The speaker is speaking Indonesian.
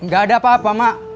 gak ada apa apa mak